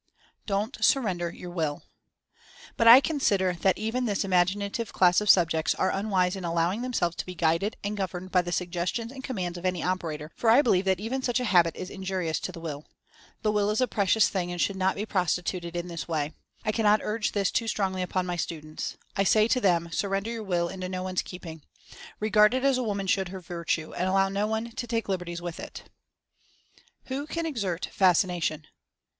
"don't surrender your will/' But I consider that even this imaginative class of subjects are unwise in allowing themselves to be guided and governed by the suggestions and com mands of any operator, for I believe that even such a habit is injurious to the Will. The Will is a precious thing and should not be prostituted in this way. I cannot urge this too strongly upon my students. I say to them : "Surrender your Will into no one's \J keeping." Regard it as a woman should her Virtue, and allow no one to take liberties with it. Impressionability 65 WHO CAN EXERT FASCINATION?